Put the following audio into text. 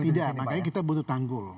tidak makanya kita butuh tanggul